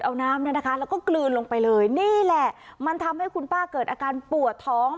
เอาน้ำเนี่ยนะคะแล้วก็กลืนลงไปเลยนี่แหละมันทำให้คุณป้าเกิดอาการปวดท้อง